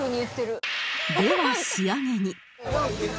では仕上げに